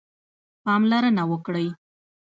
پاملرنه وکړئ